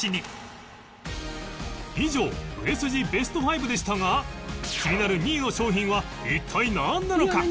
以上売れ筋ベスト５でしたが気になる２位の商品は一体なんなのか？